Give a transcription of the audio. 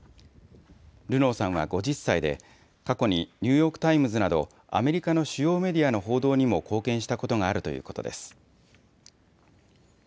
ルノーさんは５０歳で過去にニューヨーク・タイムズなどアメリカの主要メディアの報道にも貢献したことがあるということです。